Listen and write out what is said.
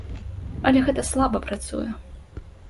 Але гэта слаба працуе.